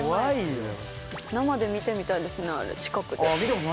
生で見てみたいですね近くで。